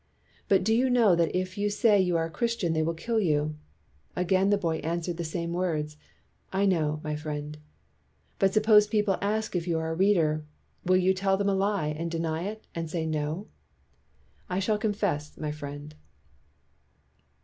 "But you know that if you say you are a Christian they will kill you?" Again the boy answered the same words, "I know, my friend." "But suppose people ask you if you are a reader, will you tell a lie and deny it and say 'No?'" 243 WHITE MAN OF WORK "I shall confess, my friend."